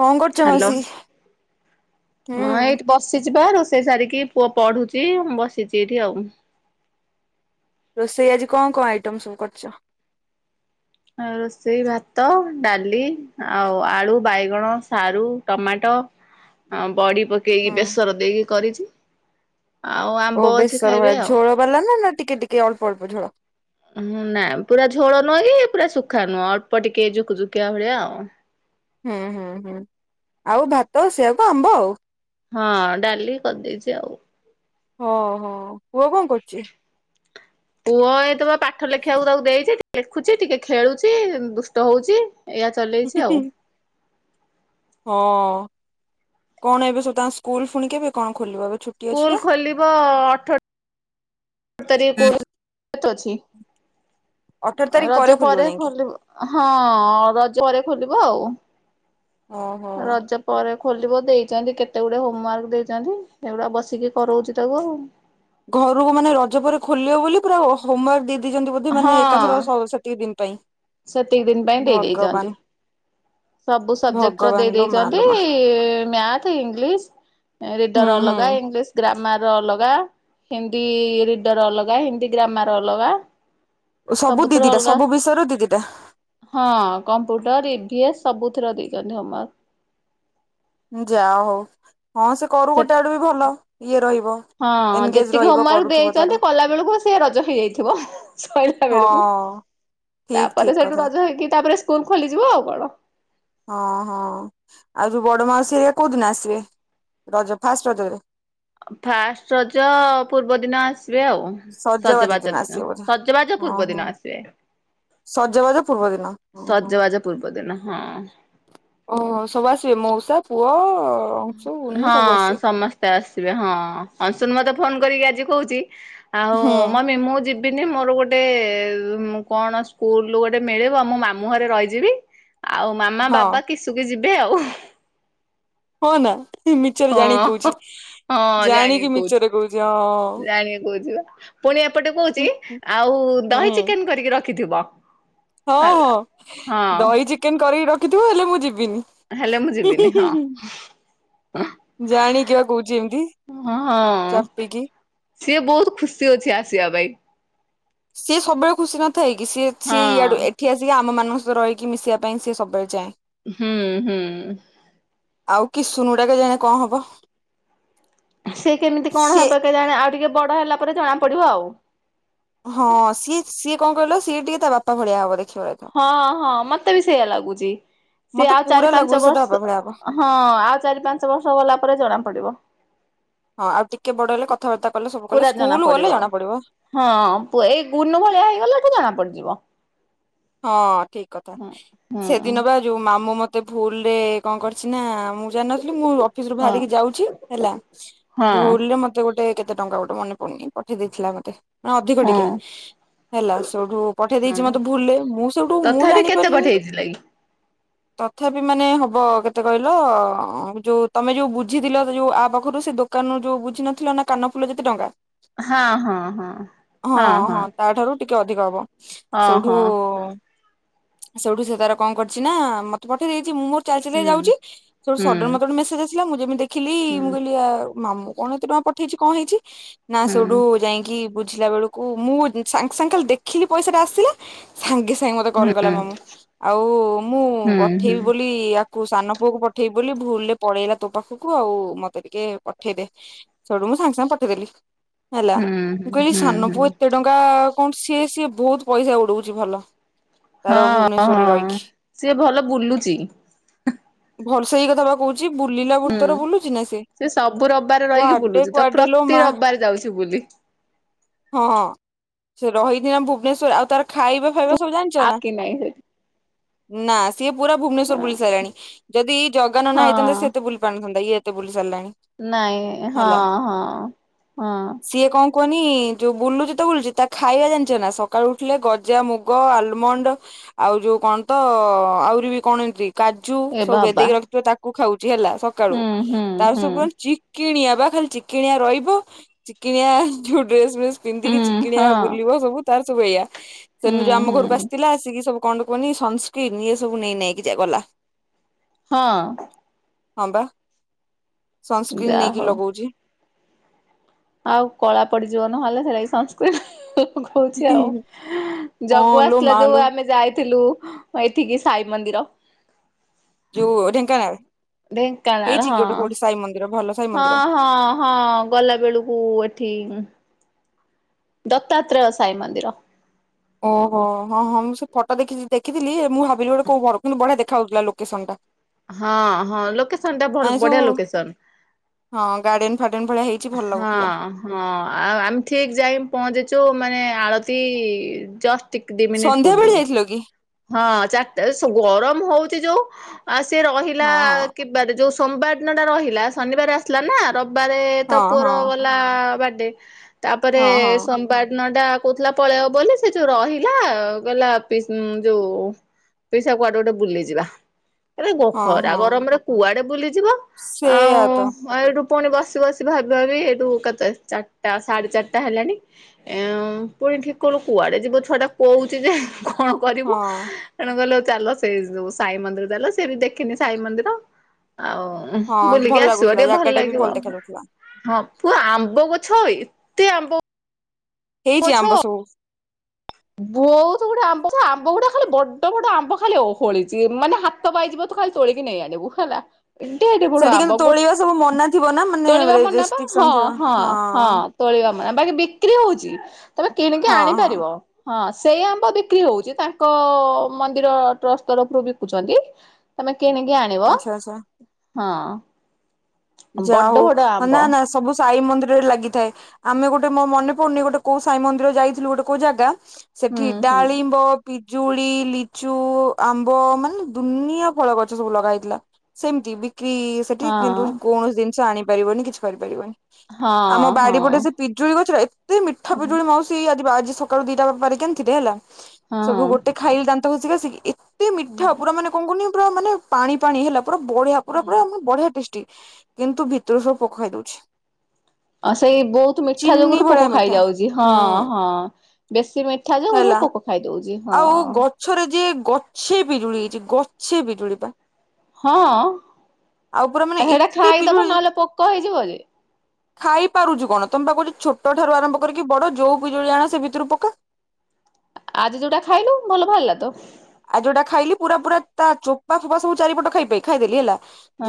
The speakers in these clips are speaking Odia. କଣ କରୁଛ ହାଲୋ ମାଉସୀ? ହୁଁ ହଁ ଏଇଠି ବ ବସିଚିବା ରୋଷେଇ ସାରିକି ପୁଅ ପଡ଼ୁଚି ମୁଁ ବସିଚି ଏଇଠି ଆଉ। ରୋଷେଇ ଆଜି କଁ କଁ ଆଇଟମ୍ ସବୁ କରିଚ? ଆଉ ରୋଷେଇ ଭାତ ଡାଲି ଆଉ ଆଳୁ ବାଇଗଣ ସାରୁ ଟମାଟ ଆଉ ବଡ଼ି ପକେଇକି ହୁଁ ବେସର ଦେଇକି କରିଚି ଓ ବେଶର ଭଳିଆ ଝୋଳ ବାଲାନା ନାଟିକେ-ଟିକେ ଅଳ୍ପ-ଅଳ୍ପ ଝୋଳ? ହୁଁ ନାଁ ପୁରା ଝୋଳ ନୁହକି ପୁରା ଶୁଖା ନୁହଁ ଅଳ୍ପ ଟିକେ ଜୁକୁଜୁକିଆ ଭଳିଆ ଆଉ। ହୁଁ-ହୁଁ-ହୁଁ ଆଉ ଭାତ ସେଆକୁ ଆମ୍ବ ଆଉ। ହଁ ଡାଲି କରିଦେଇଚି ଆଉ। ହଁ ହୋ ପୁଅ କଁ କରୁଚି? ପୁଅ ଏତବେ ପାଠ ଲେଖିବାକୁ ତାକୁ ଦେଇଚି ଲେଖୁଚି ଟିକେ ଖେଳୁଚି ଦୁଷ୍ଟ ହଉଚି ଏଇଆ ଚଲେଇଚି ଆଉ। ହଁ କଣ ଏବେ ସବୁ ତାଙ୍କ ସ୍କୁଲ୍ ଫୁଣିି କେବେ କଣ ଖୋଲିବ ଏବେ ଛୁ ସ୍କୁଲ୍ ଖୋଲିବ ଅଠ ତାରିଖ ସ୍କୁଲ୍ ବନ୍ଦ ଅଛି ଅଠର ତାରିଖ ରଜ ପରେ ଯାଇକି ଖୋଲିବ। ହଁ ରଜ ପରେ ଖୋଲିବ ଆଉ। ଓହୋ। ରଜପ୍ ପରେ ଖୋଲିବ ଦେଇଚନ୍ତି କେତେ ଗୁଡ଼େ ହୋମ୍ ୱାର୍କ ଦେଇଚନ୍ତି ସେଗୁଡ଼ା ବସିକି କରଉଚି ତାକୁ ଆଉ। ଘରକୁ ମାନେ ରଜ ପରେ ଖୋଲିବ ବୋଲି ପୁରା ହୋ ହୋମୱର୍କ ଦେଇ ଇଚନ୍ତି ବୋଧେ ହଁ ମାନେ ଏକାଥର ସ ସେତିକି ଦିନ୍ ପାଇଁ। ସେତିକି ଦିନି ପାଇଁ ଦେଇ ଭଗବାନ ଦେଇଦେଇଚନ୍ତି। ସବୁ ସବଜେକ୍ଟର ଭଗବାନ ଦେଇ ଲୋ ମା ଦେଇଚନ୍ତି ଲୋ ମା ମ୍ୟାଥ୍ ଇଂଲିଶ ହୁଁ ରିଡର ହୁଁ। ଅଲଗା ଇଂଲିଶ ଗ୍ରାମାର ଅଲଗା ହିନ୍ଦୀ ରିଡର ଅଲଗା ହିନ୍ଦୀ ଗ୍ରାମାର ଅଲଗା ସବୁ ସବୁଥିରେ ଦିଦିଟା ଅଲଗା। ସବୁ ବିଷୟର ଦିଦିଟା। ହଁ କମ୍ପ୍ୟୁଟର ଇଭି ଏସ୍ ସବୁଥିର ଦେଇଛନ୍ତି ହୋମୱାର୍କ। ଯା ହଉ, ହଁ ସେ କରୁ ଗୋଟେ ଆଡୁ ବି ଭଲ ଇଏ ରହିବ। ହଁ ଏନଗେଜ ଯେତିକି ରହିବ ହୋମୱାର୍କ କରୁଥିବ ତାର ଦେଇଛନ୍ତି କଲା ବେଳକୁ ସେ ରଜ ହେଇଯାଇଥିବ। ସରିଲା ବେଳକୁ ହଁ ଠିକ ତାପରେ ଠିକ ସେଇଠୁ କଥା ରଜ ହେଇକି ତାପରେ ସ୍କୁଲ ଖୋଲିଯିବ ଆଉ କଣ। ହଁ ହଁ ଆଉ ଯୋଉ ବଡ ମାଉସୀ ହେଇକା କୋଉ ଦିନ ଆସିବେ ରଜ ଫାଷ୍ଟ ରଜରେ। ଫାଷ୍ଟ ରଜ ପୂର୍ବଦିନ ଆସିବେ ଆଉ। ସଜବାଜ ଦିନ ସଜବାଜ ହଁ ପୂର୍ବ ହଁ ଦିନ ଆସିବେ। ସଜବାଜ ପୂର୍ବ ଦିନ ଓ। ସଜବାଜ ପୂର୍ବଦିନ ହଁ। ଓହୋ ସବୁ ଆସିବେ ମଉଷା ପୁଅ ଅଂଶୁ ଗୁନୁ ହଁ ସବୁ ଆସିବେ ସମସ୍ତେ ଆସିବେ ହଁ ଅଂଶୁନ ମତେ ଫୋନ କରିକି ଆଜି କହୁଛି ଆଉ ହୁଁ ମମି ମୁଁ ଯିବ୍ ବିନି ମୋର ଗୋଟେ କଣ ସ୍କୁଲରୁ ଗୋଟେ ମିଳିବ ମୁଁ ମାମୁଁ ଘରେ ରହିଯିବି। ଆଉ ମାମା ହଁ ବାବା କିସୁକି ଯିବେ ଆଉ। ହଁ ନା ମିଛରେ ଜାଣିିକି ହଁ କହୁଛି। ହଁ ଜାଣିକି କହୁଛି ଜାଣିକି କହୁଛି ବା ପୁଣି ଏପଟେ କହୁଛି ହୁଁ ହୁଁ ଆଉ ଦହି ଚିକେନ କରିକି ରଖିଥିବ। ହଁ ହେଲା। ହଁ ହଁ ଦହି ଚିକେନ କରିକି ରଖିଥିବ ହେଲେ ମୁଁ ଯିବିନି। ହେଲେ ମୁଁ ଯିବିନି ହଁ। ଜାଣିକିିବା କହୁଛି ଏମିତି ହଁ ଚାପିକି। ସିଏ ବହୁତ ଖୁସି ଅଛି ଆସିବା ପାଇଁ। ସିଏ ସବୁବେଳେ ଖୁସି ନଥାଏ କି ସିଏ ସିଏ ହଁ। ଇଆଡୁ ଏ ଏଠି ଆସିକି ଆମମାନଙ୍କ ସହ ରହିକି ମିଶିବା ପାଇଁ ସିଏ ସବୁବେଳେ ଚାଏ। ହୁଁ ହୁଁ। ଆଉ କିସୁନୁ ଡା କେଜାଣେ କଣ ହବ। ସେ କେମିତି କଣ ସିଏ ହେବ କେଜାଣି ଆଉ ଟିକେ ବଡ ହେଲା ପରେ ଜଣା ପଡିବ ଆଉ। ହଁ ସିଏ ସିଏ କଣ କହିଲ ସିଏ ଟିକେ ତା ବାପା ଭଳିଆ ହବ ଦେଖିବ ରହିଥା। ହଁ ହଁ ମତେ ବି ସେଇଆ ଲାଗୁଛି ସିଏ ମତେ ଆଉ ପୁରା ଚାରି ଲାଗୁଛି ପାଞ୍ଚ ସେ ତା ବାପା ବର୍ଷ ଭଳିଆ ହବ। ହଁ ଆଉ ଚାରି ପାଞ୍ଚ ବର୍ଷ ଗଲା ପରେ ଜଣା ପଡିବ। ହଁ ଆଉ ଟିକେ ବଡ ହେଲେ କଥାବାର୍ତ୍ତା କଲେ ସବୁ କଲେ ପୁରା ଜଣା ସ୍କୁଲ ଗଲେ ଜଣା ପଡିବ। ହଁ ପୁଅ ଏଇ ଗୁନୁ ଭଳିଆ ହେଇଗଲାଠୁ ଜଣା ପଡିଯିବ। ହଁ ଠିକ କଥା ହୁଁ ହୁଁ ସେଦିନ ବା ଯୋଉ ମାମୁଁ ମତେ ଭୁଲ ରେ କଣ କରିଛି ନା ମୁଁ ଜାଣିନଥିଲି ମୁଁ ଅଫିସରୁ ହଁ ବାହାରିକି ଯାଉଛି ହେଲା ହଁ ଭୁଲରେ ମତ୍ ମତେ ଗୋଟେ କେତେ ଟଙ୍କା ଗୋଟେ ମନେ ପଡୁନି ପଠେଇ ଦେଇଥିଲା ମତେ। ମାନେ ଅଧିକ ହଁ ଟିକେ ହେଲା ସେଠୁ ପଠେଇ ଦେଇଛି ହଁ। ମତେ ଭୁଲରେ। ମୁଁ ସେଇଠୁ ମୁଁ ତଥାପି କେତେ ଜାଣିପାରିଲିନି ପଠେଇଥିଲେ କି? ତଥାପି ମାନେ ହବ କେତେ କହିଲ ଯୋଉ ତମେ ଯୋଉ ବୁଝିଥିଲ ଯୋଉ ଆ ପାଖରୁ ସେ ଦୋକ କାନରୁ ଯୋଉ ବୁଝି ନଥିଲ ନା କାନ ଫୁଲ ଯେତେ ଟଙ୍କା। ହଁ ହଁ ହଁ ହଁ ହଁ। ଟିକେ ଅଧିକ ହବ ହଁ ସେଇଠୁ ହଁ ହଁ ସେଇଠୁ ସେ ତାର କଣ କରିଛି ନା ମତେ ପଠେଇ ଦେଇଛି ମୁଁ ମୋର ଚାଲି ଚାଲି ହୁଁ ଯାଉଛି ସେଠୁ ହୁଁ ସଡନ୍ ମତେ ଗୋଟେ ମେସେଜ ଆସିଲା ମୁଁ ଯେମିତି ଦେଖିଲି ହୁଁ। ମୁଁ କହିଲି ଆଉ ମାମୁଁ କଣ ଏତେ ଟଙ୍କା ପଠେଇଛି କଣ ହେଇଛି ନା ହୁଁ ସେଇଠୁ ଯାଇକି ବୁଝିଲା ବେଳକୁ ମୁଁ ସାଙ୍ଗେ ସାଙ୍ଗେ ଖାଲି ଦେଖିଲି ପଇସା ଟା ଆସିଲା। ସାଙ୍ଗେ ସାଙ୍ଗେ ମତେ କଲ କଲା ହୁଁ ମାମୁଁ ଆଉ ମୁଁ ହୁଁ ହୁଁ ପଠେଇବି ବୋଲି ଆ କୁ ସାନ ପୁଅ କୁ ପଠେଇବି ବୋଲି ଭୁଲରେ ପଳେଇଲା ତୋ ପାଖକୁ ଆଉ ମତେ ଟିକେ ପଠେଇଦେ। ସେଠୁ ମୁଁ ସାଙ୍ଗେ ସାଙ୍ଗେ ପଠେଇଦେଲି ହେଲା ମୁଁ ହୁଁ କହିଲି ହୁଁ ସାନ ହୁଁ। ପୁଅ ଏତେ ଟ ଙ୍କା କଣ ସିଏ ସିଏ ବହୁତ ପଇସା ଉଡଉଛି ଭଲ। ତାର ହଁ ଭୁବନେଶ୍ୱରରେ ହଁ ରହିକି ସିଏ ଭଲ ବୁଲୁଚି। ଭ ସଇ କଥା ବା କହୁଛି ବୁଲିଲା ହୁଁ ବୃତ୍ତର ବୁଲୁଛି ନା ସେ। ସେ ସବୁ ରବିବାର ରହିକି କୁଆଡେ ବୁଲୁଛି ତ କୁଆଡେ ଲୋ ପ୍ରତି ମା ରବିବାର ଯାଉଛି ବୁଲି। ହଁ ସେ ରହିଛି ନା ଭୁବନେଶ୍ୱର ଆଉ ତାର ଖାଇବା ଫା ଜାଣିଚ ଆଉ ନା କି ନାଇଁ ସେଠି ନା ସିଏ ପୁରା ଭୁବନେଶ୍ୱର ହଁ ବୁଲି ସାରିଲାଣି ଯଦି ଜଗାନନା ହେଇଥାନ୍ତା ହଁ ସିଏ ଏତେ ବୁଲି ପାରୁିନଥାନ୍ତା ଇଏ ଏତେ ବୁଲି ସାରିଲାଣି। ନାଇଁ ହଁ ହେଲା ହଁ ହଁ। କୁଅନି ଯୋଉ ବୁଲୁଛି ତ ବୁଲୁଚି ତା ଖାଇବା ଜାଣିଛ ନା ସକାଳୁ ଉଠିଲେ ଗଜା ମୁଗ ଆଲମଣ୍ଡ ଆଉ ଯୋଉ କଣ ତ ଆହୁରି ବି କଣ ଏମିତି କାଜୁ ଏ ସବୁ ବାବା ଭେଦେଇକି ରଖିଥିବ ତାକୁ ଖାଉଛି ହେଲା ସକାଳୁ ହୁଁ ହୁଁ ତାର ହୁଁ ସବୁ ଚି କିଣିଆ ବା ଖାଲି ଚିକିଣିଆ ରହିବ ଚିକିଣିଆ ଯୋଉ ଡ୍ରେସ ଫ୍ରେସ୍ ପିନ୍ଧିକି ହୁଁ ଚିକିଣିଆ ହଁ ବୁଲିବ ସବୁ ତାର ସବୁ ଏଇଆ ହୁଁ ସେଦିନ ଯୋଉ ଆମ ହୁଁ ଘରକୁ ଆସିଥିଲା ଆସିକି ସବୁ କଣ କୁହନି ସନ୍ ସ୍କ୍ରିନ ଆଇଏ ସବୁ ନିଏ ନେଇକି ନା ଯା ଗଲା। ହଁ। ହଁ ବା ସନ୍ ସ୍କ୍ରୀନ ଯାହା ନେଇକି ହଉ ଲଗଉଚି। ଆଉ କଳା ପଡିଯିବ ନହେଲେ ସେଟା କି ସନ୍ ସ୍କ୍ରିନ ଲାଗଉଚି ଆଉ ହଁ ଜଗୁ ଲୋ ଆସଥିଲା ମା ଯୋଉ ଲୋ ଆମେ ଯାଇଥିଲୁ ହଁ ଏଠିକି ସାଇ ମନ୍ଦିର ଯଉ ଢେଙ୍କାନାଲ୍ ଢ଼େଙ୍କାନାଳ ହଁ ମନ୍ଦିର ଭଲ ସାଇ ହଁ ମନ୍ଦିର ହଁ। ହଁ ଗଲା ବେଳକୁ ଏଠି ଦତା ତ୍ରେୟ ସାଇ ମନ୍ଦିର। ଓହୋ ହଁ ହଁ ମୁଁ ସେ ଫଟୋ ଦେଖି ଦେଖିଥିଲି ମୁଁ ଭାବିଲି ଗୋଟେ କୋଉ ଘର କିନ୍ତୁ ବଢିଆ ଦେଖା ହାଉଉଥିଲା ଲୋକେସନ ଟା। ହଁ ହଁ ଲୋକେସନ ଟା ଭ ମାନେ ସବୁ ବଢିଆ ଲୋକେସନ। ହଁ ଗାର୍ଡେନ ଫାଡେନ୍ ଭଳିଆ ହେଇ ହଁ। ହଁ ଆଉ ଆମେ ଠିକ ଯାଇକି ପହଞ୍ଚିଚୁ ମାନେ ଆଳତି ଜଷ୍ଟ ଟିକ୍ ଦି ମିନିଟ ସନ୍ଧ୍ୟା ବେଳେ ପୂର୍ବରୁ। ଯାଇଥିଲ କି ହଁ ଚାରଟା ଗରମ ହଉଛି ଯୋଉ ଆ ସିଏ ରହିଲା ହଁ ବାର ଯୋଉ ସୋମବାର ଦିନଟା ରହିଲା ଶନିବାର ଆସିଲା ନା ରବିବାରେ ହଁ ତ ହଁ ପୁଅର ହଁ ହେଲା ବାଡେ ତାପରେ ହଁ ହଁ ସ୍ ବାର୍ ଦିନ ଟା କହୁଥିଲା ପଳେଇବ ବୋଲି ସେ ଯୋଉ ରହିଲା କହିଲା ପିସ୍ ଉଁ ଯୋଉ ପିସା କୁଆଡେ ଗୋଟେ ବୁଲିଯିବା। ଆରେ ହଁ ଖରା ହଁ ଗରମରେ କୁଆଡେ ବୁଲିଯିବ ଆଉ ସେଇଆ ତ ଏଇଠୁ ପୁଣି ବସି ବସି ଭାବି ଭାବି ଏଇଠୁ କେତେ ଚାରିଟା ସାଢେ ଚାରିଟା ହେଲାଣି। ଏ ମ୍ ପୁଣି ଠିକ କଲୁ କୁଆଡେ ଯିବ ଛୁଆ ଟା କହୁଛି ଯେ କଣ କରିବୁ ହଁ ତେଣୁ କହିଲେ ଚାଲ ସେଇ ଯୋଉ ସାଇ ମନ୍ଦିର ଚାଲ ସେ ବି ଦେଖିନି ସାଇ ମନ୍ଦିର ଆଉ ଉଁ ହଁ ଭଲ ବୁଲିକି ଆସିବ ଲାଗୁଥିଲା ଟିକେ ଜାଗା ଭଲ ଟା ବି ଲାଗିବ ଦେଖା ଆଉ। ଯାଉଥିଲା ହଁ ପୁଅ ଆମ୍ବ ଗଛ ଏତେ ଆମ୍ବ ହେଇଛି ଆମ୍ବ ସବୁ। ବହୁତ୍ ଗୁଡ଼େ ଆମ୍ବ ଯେ ଆମ୍ବ ଗୁଡା ଖାଲି ବଡ ବଡ ଆମ୍ବ ଖାଲି ଓହଳିଛି ମାନେ ହା ହତ ପାଇଯିବ ତୁ ଖାଲି ତୋଳିକି ନେଇ ଆଣିବୁ ହେଲା। ଏତେ ଏତେ ବଡ ସେଠି କିନ୍ତୁ ଆମ୍ବ ଗୋ ତୋଳିବା ସବୁ ମନା ଥିବ ନା ମାନେ ତୋଳିବା ମନା ବା ରେଷ୍ଟ୍ରିକସନ ହଁ ଥିବ ହଁ ହଁ। ତୋଳିବା ମା ବାକି ବିକ୍ରି ହଉଛି ତମେ କିଣିକି ହଁ ହଁ ଆଣିପାରିବ। ହଁ ସେଇ ଆମ୍ବ ବିକ୍ରି ହଉଛି ତାଙ୍କ ମନ୍ଦିର ଟ୍ରଷ୍ ତରଫରୁ ବିକୁଛନ୍ତି ତମେ କିଣିକି ଆଣିବ ଆଚ୍ଛା ଆଚ୍ଛା ହଁ। ଯା ବଡ ହଉ ବଡ ଆମ୍ବ ଅନା ଅନା ସବୁ ସାଇ ମନ୍ଦିରରେ ଲାଗିଥାଏ ଆମେ ଗୋଟେ ମୋ ମନେ ପଡୁନି ଗୋଟେ କୋଉ ସାଇ ମନ୍ଦିର ଯାଇଥିଲୁ ଗୋଟେ କୋଉ ଜାଗା ହୁଁ ସେଠି ହୁଁ ଡାଳିମ୍ବ ପିଜୁଳି ଲିଚୁ ଆମ୍ବ ମାନେ ଦୁନିଆ ଫଳ ଗଛ ସବୁ ଲଗା ହେଇଥିଲା। ସେମିତି ବିକ୍ରିସ୍ ସେଠି ହଁ କିନ୍ତୁ କୌଣସି ଜିନିଷ ଆଣିପାରିବନି କିଛି କରିପାରିବନି ହଁ ଆମ ହଁ ବାଡି ପଟେ ସେ ପିଜୁଳି ଗଛରେ ଏତେ ମିଠା ହଁ ପିଜୁଳି ମାଉସୀ ଆଜି ବାଜି ସକାଳୁ ଦିଟା ପାରିକିଆଣିଥିଲି ହେଲା ସେଠୁ ହଁ ଗୋଟେ ଖାଇଲି ଦାନ୍ତ ଘସିକି ଆସିକି ଏତେ ମିଠା ପୁରା ମାନେ କଣ କନି ପୁରା ମାନେ ପାଣି ପାଣି ହେଲା ପୁରା ବଢିଆ ହୁଁ ପୁରାପୁରା ବଢିଆ ଟେଷ୍ଟି କିନ୍ତୁ ଭିତରୁ ସବୁ ପୋକ ଖାଇ ଦଉଛି। ଅ ସେଇ ବହୁତୁ ମିଠା ଚିନି ଯୋଗୁରୁ ପୋକ ଭଳିଆ ମିଠା ଖାଇଯାଉଛି ହଁ ହୁଁ ହଁ ବେଶୀ ମି ଠା ଯୋଗୁରୁ ହେଲା ପୋକ ଖାଇଦଉଛି ହଁ। ଆଉ ଗଛରେ ଯେ ଗଛେ ପିଜୁଳି ହେଇଛି ଗଛେ ବିଜୁଳିିବା। ହଁ ପୁରା ମାନେ ହେଟା ଏତେ ଖାଇଦବ ପିଜୁଳି ନହେଲେ ପୋକ ହେଇଯିବ ଯେ। ଖାଇ ପାରୁଛୁ କଣ ତମେ ବା କହୁଛ ଛୋଟ ଠାରୁ ଆରମ୍ଭ କରିକି ବଡ ଯୋଉ ପିଜୁଳି ଆାଣ ସେ ଭିତୁରୁ ପୋକା। ଆଜି ଯୋଉଟା ଖାଇଲୁ ଭଲ ବାହାରିଲା ତ। ଆ ଯୋଉଟା ଖାଇଲି ପୁରା ପୁରା ତା ଚୋପା ଫୋପା ସବୁ ଚାରିପଟ ଖାଇପି ଖାଇଦେଲି ହେଲା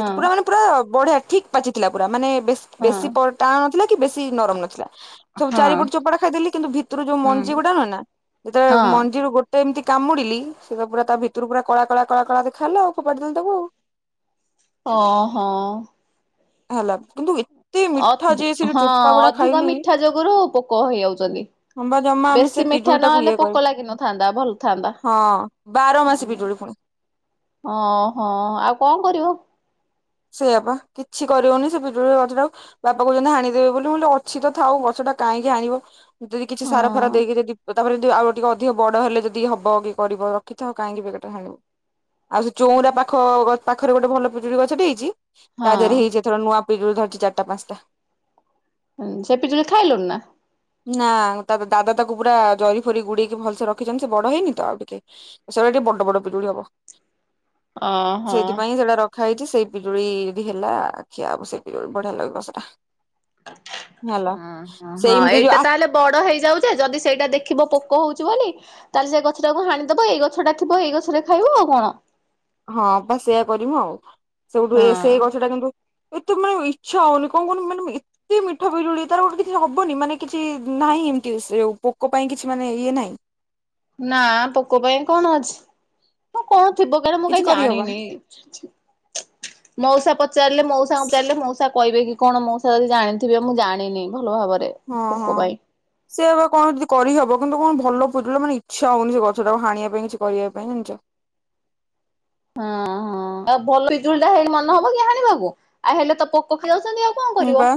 ଯେ ପୁରା ମାନେ ପୁରା ବଢିଆ ଠିକ୍ ପାଚିଥିଲା ପୁରା ମାନେ ବେସ୍ ହଁ ବେଶୀ ପ ଟାଣନଥିଲା କି ବେଶୀ ନରମ ନଥିଲା। ସବୁ ହଁ ଚାରିପଟ ଚୋପାଟା ଖାଇଦେଲି କିନ୍ତୁ ଭିତୁରୁ ଯୋଉ ହୁଁ। ମଞ୍ଜି ଗୁଡ଼ାକ ନା ଯେ ହଁ ମଞ୍ଜିରୁ ଗୋ ଟେ ଏମିତି କାମୁଡିଲି ସେଟା ପୁରା ତା ଭିତୁରୁ ପୁରା କଳା କଳା କଳା କଳା ଦେଖାଗଲା ଆଉ ଫୋପାଡି ଦେଲି ତାକୁ ଆଉ। ଅ ହଁ। ହେଲା କିନ୍ତୁ ଏ ଅ ହଁ ଅଧିକ ଖାଇଲି ମିଠା ଯୋଗୁରୁ ପୋକ ହେଇଯାଉଛନ୍ତି। ହଁ ବା ଜମା ଆମେ ସେ ବେଶୀ ମିଠା ପିଜୁଳି ଟାକୁ ନହେଲେ ଇଏ କରିବୁ ପୋକ ଲାଗିନଥାନ୍ତା ଭଲଥାନ୍ତା। ହଁ ବାର ମାସି ପିଜୁଳି ପୁଣି। ଓହୋ ଆଉ କଣ କରିବ? ସେଇଆ ପା କିଛି କରିଉନି ସେ ପିଜୁଳି ଗଛଟାକୁ ବାପା କହୁଛନ୍ତି ହାଣିଦେବେ ବୋଲି ମୁକଲି ଅଛି ତ ଥାଉ ଗଛଟା କାହିଁକି ହାଣିବ। ଯଦି କିଛି ହଁ ସାର ଫାର ଦେଇକି ଯଦି ପ ତାପରେ ଯଦି ଆଉ ଟିକେ ଅଧିକ ବଡ ହେଲେ ଯଦି ହବ କି କରିବ ରଖିଥାଅ କାହିଁକି ବିକେରଟା ହାଣିବ। ଆଉ ସେ ଚଉଁରା ପାଖ ଗ ପାଖରେ ଗୋଟେ ଭଲ ପୁଜୁଡି ଗଛ ଟି ଜି ତାଦେହରେ ହଁ ହେଇଛି ଏଥର ନୂଆ ପିଜୁଳି ଧରିଛି ଚାରିଟା ପାଞ୍ଚଟା। ହୁଁ ସେ ପିଜୁଲି ଖାଇଲୁଣି ନା? ନା ତା ଦାଦା ତାକୁ ପୁରା ଜରି ଫରି ଗୁଡେଇକି ଭଲ୍ସେ ରଖିଛନ୍ତି ସେ ବଡ ହେଇନି ତ ଆଉ ଟିକେ ସେଗୁଡାକ ଟିକେ ବଡ ବଡ ପିଜୁଳି ହବ ଓହୋ ହଁ ସେଇଥିପାଇଁ ସେଇଟା ରଖା ହେଇଛି ସେଇ ପିଜୁଳି ଯଦି ହେଲା ଖିଆହବ ସେତିବେଳୁ ବଢିଆ ଲାଗିବ ସେଟା। ହେଲା ହଁ ସେଇମ୍ତି ଯୋଉ ଏଇଟା ଆ ତାହେଲେ ବଡ ହେଇଯାଉ ଯେ ଯଦି ସେଇଟା ଦେଖିବ ପୋକ ହଉଛିି ବୋଲି ତାହାଲେ ସେ ଗଛଟାକୁ ହାଣିଦବ ଏଇ ଗଛଟା ଥିବ ଏଇ ଗଛ ରେ ଖାଇବ ଆଉ କଣ। ହଁ ପା ସେୟା କରିମୁ ଆଉ ସେଠୁ ଏ ହଁ ସେଇ ଗଛ ଟା କିନ୍ତୁ ଏତେ ମାନେ ଇଚ୍ଛାହଉନି କଣ କନି ମାନେ ମିଏ କି ମିଠା ପିଜୁଳି ତାର ଗୋଟେ କିଛି ହବନି ମାନେ କିଛି ନାହିଁ ଏମ୍ତି ସେଉ ପୋକ ପାଇଁ କିଛି ମାନେ ଇଏ ନାହିଁ। ନା ପୋକ ପାଇଁ କଣ ଅଛି? ପୋକ କଣ ଥିବ କେଣି ମୁଁ କିଛି କାହିଁ କରିହବନି। ଜାଣିନି। ମଉସା ପଚାରିଲେ ମଉସା ଉଁଚାରିଲେ ମଉସା କହିବେ କି କଣ ମଉସା ଯଦି ଜାଣିଥିବେ ମୁଁ ଜାଣିନି ଭଲ ଭାବରେ। ହଁ ପୋକ ହଁ। ପାଇଁ ସେ ଏବେ କଣ ଯଦି କରିହବ କିନ୍ତୁ କଣ ଭଲ ପିଜୁଳି ମାନେ ଇଚ୍ଛା ହଉନି ସେ ଗଛ ଟାକୁ ହାଣିଆପାଇଁ କିଛି କରିବା ପାଇଁ ଜାଣିଛ। ହଁ ହଁ ଆଉ ଭଲ ବିିଜୁଳି ଟା ହେଲେ ମନ ହବ କି ହାଣିବାକୁ ଆ ହେଲେ ତ ପୋକ ଖା ଯାଉଛନ୍ତି ଆଉ। କଣ ମୁଁ କରିବ ବା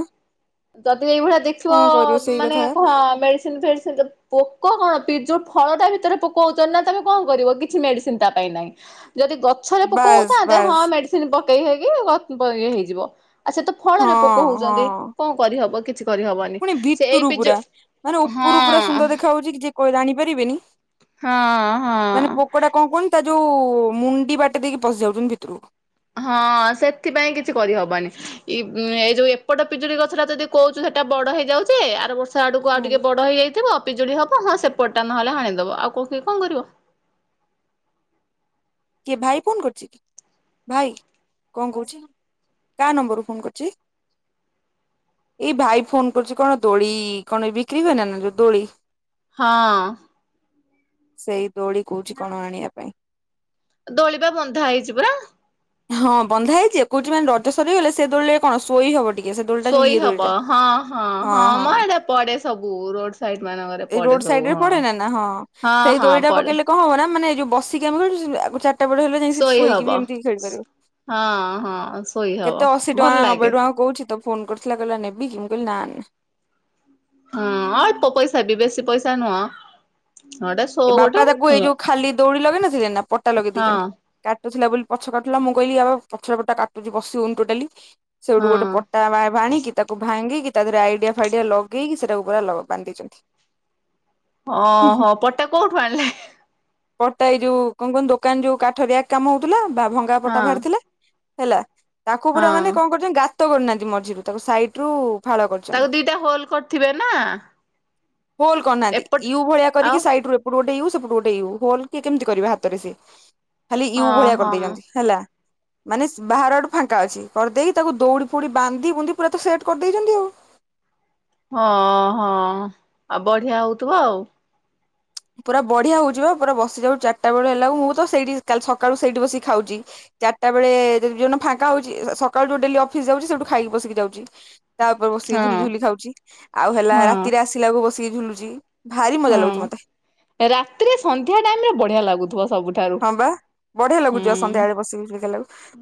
ଯଦି ଏଇଭଳିଆ ଦେଖିବ କଣ କରିବ ସେଇ ମାନେ କଥା କହ ମେଡିସିନ୍ ଫେଡିସିନ୍ ଯ ପୋକ କଣ ପିଜ ଯୋଉ ଫଳ ଟା ଭିତରେ ପୋକ ହଉଚ ନା ତମେ କଣ କରିବ କିଛି ମେଡିସିନ ତା ପାଇଁ ନାଇଁ। ଯଦି ଗଛରେ ପୋକ ବାସ୍ ହଉଥାନ୍ତେ ହଁ ବାସ୍ ମେଡି ଚିଲି ପକେଇ ହେଇକି ଇଏ ହେଇଯିବ ଆଉ ସେ ତ ଫଳରେ ହଁ ପୋକ ହଉଛନ୍ତି ହଁ କଣ କରିହବ କିଛି। କରିହବରେ। ପୁଣି ଭିତରୁ ପୁରା ମାନେ ଉପରୁ ପୁରା ସୁନ୍ଦର ଦେଖା ହଉଛି କିଛି କ ଜାଣିପାରିବେନି ହଁ ମାନେ ହଁ। ପୋକୋଡା କଣ କଣ? ତା ଯୋଉ ମୁଣ୍ଡି ବାଟେ ଦେଇକି ପଶି ଯାଉଛନ୍ତି ଭିତୁରୁ କୁ। ହଁ ସେଥିପାଇଁ କିଛି କରିହବନି। ଇ ଏଇ ଯୋଉ ଏପଟ ପିଜୁଳି ଗଛଟା ଯଦି କହୁଛୁ ସେଟା ବଡ ହେଇଯାଉଛେ ଆର ବର୍ଷ ସେ ଆଡ଼କୁ ଆଉ ହଁ ଟିକେ ବଡ଼ ହେଇ ଯାଇଥିବ ଅ ପିଜୁଳି ହବ ହଁ ସେପଟା ନହଲେ ଆଣିଦେବ ଆଉ କୋଉଠି କଣ କରିବ। କିଏ ଭାଇ ଫୋନ କରୁଛି କି? ଭାଇ କଣ କହୁଛି କା ନମ୍ବରରୁୁ ଫୋନ କରୁଛି। ଏଇ ଭାଇ ଫୋନ କରୁଛି କଣ ଦୋଳି କଣ ଏ ବିକ୍ରି ହୁଏ ନା ନା ଯୋଉ ଦୋଳି। ହଁ। ସେଇ ଦୋଳି କହୁଛି କଣ ଆଣିବା ପାଇଁ। ଦୋଳିବା ବନ୍ଧା ହେଇଛି ପରା। ହଁ ବନ୍ଧା ହେଇଛି କହୁଛି ମାନେ ରଜ ସରିଗଲେ ସେ ଦୋଳିରେ କଣ ଶୋଇ ହବନ ଶୋଇ ହବ ହଁ ହଁ ହଁ ମ ଏଟା ପଡେ ସବୁ ରୋଡ ସାଇଡ ମାନଙ୍କରେ ଏ ପଡେ ରୋଡ ସବୁ ସାଇଡ୍‌ ରେ ହଁ ପଡେ ନା ନା ହଁ ହଁ ସେଇ ହଁ ଦୋଳି ଟା ପଡେ ପକେଇଲେ କଣ ହବ ନା ମାନେ ଯୋଉ ବସିକି ଆମେ ଚାର୍ଟା ବେଳେ ହେଲେ ଯାଇକି ସେଠି ଶୋଇ ଶୋଇକି ହବ ବି ଏମିତି ଖେଳିପାରିବୁ। ହଁ ହଁ ଶୋଇ ହବ ଭଲ ଲାଗେ। ହଁ କହୁଛି ତ ଫୋନ କରିଥିଲା କହିଲା ନେବି କି ମୁଁ କହିଲ ନା। ହଁ ଅଳ୍ପ ପଇସା ବି ବେଶି ପଇସା ନୁହଁ। ଗୋଟେ ଶୋ ଏ ଗୋଟେ ବାପା ତାକୁ ଏଇ ଯୋଉ ହଁ ଖାଲି ଦୌଡି ଲଗେଇ ନଥିଲେ ନା ପଟା ଲଗେଇ ଦେଇଛନ୍ତି। କାଟୁଥିଲା ବୋଲି ପଛ କାଟୁଥିଲା ମୁଁ କହିଲି ଆଉ ପଛର ପଟା କାଟୁଛି ବସି ହୋଉନି ଟୋଟାଲି। ସେଇଠୁ ଗୋଟେ ହଁ ପଟା ଭା ଭାଣିକି ତାକୁ ଭାଙ୍ଗିକି ତା ଦେହରେ ଆଇଡିଆ ଫାଇଡିଆ ଲଗେଇକି ସେଇଟାକୁ ପୁରା ଲ ବାନ୍ଧ ଦେଇଛନ୍ତି। ହଁ ହୁଁ ହୁଁ ହଁ ପଟା କୋଉଠୁ ଆଣିଲେ। ପଟା ଏ ଯୋଉ କଣ କହନ ଦୋକାନ ଯୋଉ କାଠ ରିଆକ୍ କାମ ହଉଥିଲା ବା ଭଙ୍ଗା ହଁ ପଟା ବାହାରିଥିଲା। ହେଲା ତାକୁ ପୁରା ମାନେ ହଁ କଣ କରୁଛନ୍ତି ଗାତ କରିନାହାନ୍ତି ମଝିରୁ ତାକୁ ସାଇଡ୍‌ ରୁ ଫାଳ କରିଛନ୍ତି। ତାକୁ ଦିଟା ହୋଲ କରିଥିବେ ନା। ହୋଲ କରୁନାହାନ୍ତି ଏପଟ ୟୁ ଭଳିଆ କରିକି ଆଉ ହେଇତୁରୁ ଏପଟୁ ଗୋଟେ ୟୁ ସେପଟୁ ଗୋଟେ ୟୁ ହୋଲ୍ କିଏ କେମିତି କରିବେ ହାତରେ ସେ। ଖାଲି ୟୁ ହଁ ଭଳିଆ ହଁ କରିଦେଇଛନ୍ତି ହେଲା। ମାନେ ବାହାର ଆଡୁ ଫାଙ୍କା ଅଛି କରଦେଇ ତାକୁ ଦୌଡ଼ି ଫୌଡ଼ି ବାନ୍ଧି ବୁନ୍ଧି ପୁରା ତ ସେଟ୍ କରିଦେଇଛନ୍ତି ଆଉ। ହଁ ହଁ ଆଉ ବଢିଆ ହଉଥିବ ଆଉ। ପୁରା ବଢିଆ ହୋଉଚିବା ପୁରା ବସି ଯାଉୁ ଚାରିଟା ବେଳ ହେଲାକୁ ମୁଁ ତ ସେଇଠି କାଲ୍ ସକାଳୁ ସେଇଠି ବସି ଖାଉଚି। ଚାରିଟା ବେଳେ ଯୋ ଯୋଉ ଦିନ ଫାଙ୍କା ହଉଛି ସକାଳୁ ଯୋଉ ଡେଲି ଅଫିସ ଯାଉଚି ସେଇଠୁ ଖାଇକି ପଶିକି ଯାଉଚି। ତା ଉପରେ ବସିକି ଝୁଲି ହଁ ଝୁଲି ଖାଉଛି ଆଉ ହେଲା ହଁ ରାତିରେ ଆସିଲା ବ ବସିକି ଝୁଲୁଚି। ଭାରି ମଜା ଲାଗୁଛି ହଁ ମତେ। ରାତିରେ ସନ୍ଧ୍ୟା ଟାଇମରେ ବଢିଆ ଲାଗୁଥୁବ। ହଁ ବା ବଢିଆ ଲାଗୁଛିି ସନ୍ଧ୍ୟାବେଳେ ବସିକି [unintelligible]